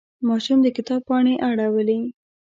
ماشوم د کتاب پاڼې اړولې.